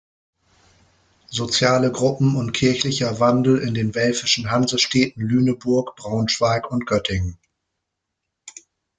Soziale Gruppen und kirchlicher Wandel in den welfischen Hansestädten Lüneburg, Braunschweig und Göttingen".